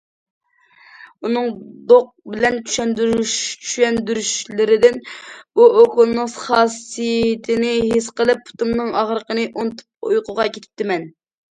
ئۇنىڭ دوق بىلەن چۈشەندۈرۈشلىرىدىن بۇ ئوكۇلنىڭ خاسىيىتىنى ھېس قىلىپ، پۇتۇمنىڭ ئاغرىقىنى ئۇنتۇپ ئۇيقۇغا كېتىپتىمەن.